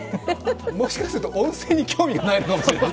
もしかすると温泉に興味がないかもしれない。